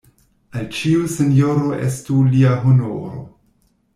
Al ĉiu sinjoro estu lia honoro.